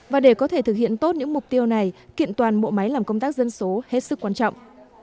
và để có thể thực hiện tốt những mục tiêu này kiện toàn bộ máy làm công tác dân số hết sức quan trọng